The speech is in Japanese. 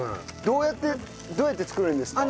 どうやってどうやって作るんですか？